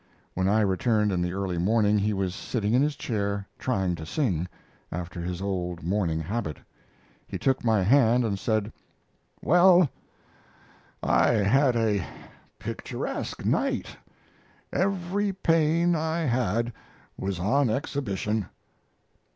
When I returned in the early morning he was sitting in his chair trying to sing, after his old morning habit. He took my hand and said: "Well, I had a picturesque night. Every pain I had was on exhibition."